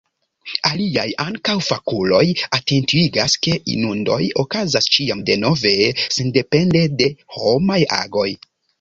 Aliaj, ankaŭ fakuloj, atentigas ke inundoj okazas ĉiam denove, sendepende de homaj agoj.